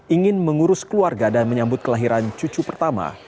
ingin mengurus keluarga dan menyambut kelahiran cucu pertama